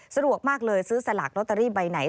สะดวกมากเลยซื้อสลากลอตเตอรี่ใบไหน